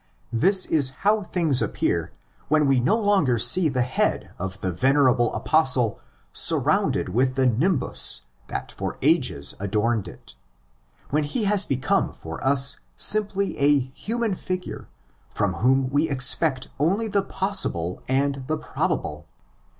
This is how things appear when we no longer see the head of the venerable Apostle surrounded with the nimbus that for ages adorned it—when he has become for us simply 4 human figure from whom we expect only the possible and the probable.